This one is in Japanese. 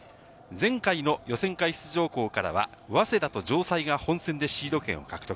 前回の予選会出場校からは、早稲田と城西が本選でシード権を獲得。